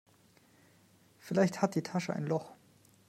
Vielleicht hat die Tasche ein Loch.